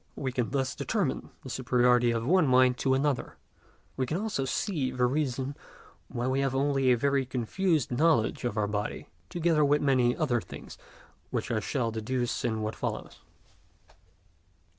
We can thus determine the superiority of one mind to another; we can also see the reason why we have only a very confused knowledge of our body, together with many other things which I shall deduce in what follows.